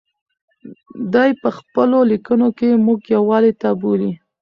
دی په خپلو لیکنو کې موږ یووالي ته بولي.